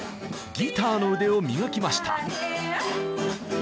ギターの腕を磨きました。